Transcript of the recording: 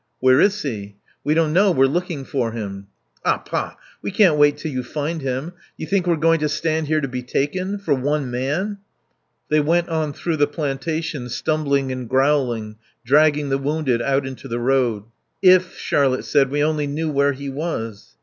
"Where is he?" "We don't know. We're looking for him." "Ah, pah! We can't wait till you find him. Do you think we're going to stand here to be taken? For one man!" They went on through the plantation, stumbling and growling, dragging the wounded out into the road. "If," Charlotte said, "we only knew where he was."